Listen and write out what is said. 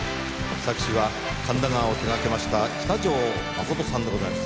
作詞は『神田川』を手がけました喜多條忠さんでございます。